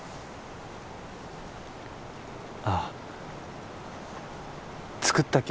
あっ